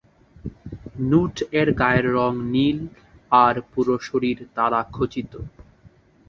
নুট-এর গায়ের রং নীল আর পুরো শরীর তারা খচিত।